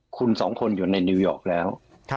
คุณสองคนอยู่ในนิวยอร์กแล้ว